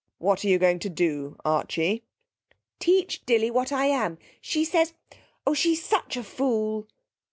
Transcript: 'What are you going to do, Archie?' 'Teach Dilly what I am. She says Oh, she's such a fool!'